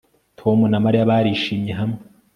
Tom na Mariya barishimye hamwe